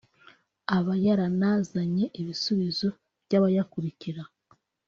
aba yaranazanye ibisubizo by’abayakurikira